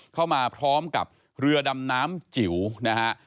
เข้ามาพร้อมกับเรือดำน้ำจิ๋วนะฮะ